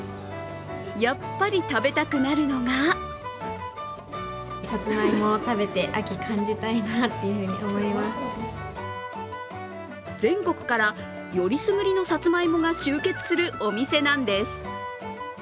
やっぱり食べたくなるのが全国からよりすぐりのさつまいもが集結するお店なんです。